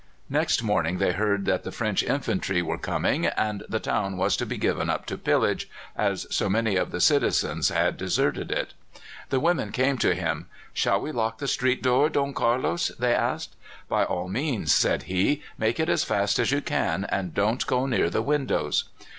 Next morning they heard that the French infantry were coming, and the town was to be given up to pillage, as so many of the citizens had deserted it. The women came to him. "Shall we lock the street door, Don Carlos?" they said. "By all means," said he. "Make it as fast as you can, and don't go near the windows."